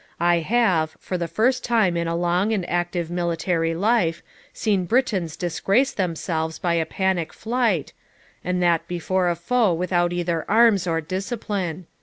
I have, for the first time in a long and active military life, seen Britons disgrace themselves by a panic flight, and that before a foe without either arms or discipline.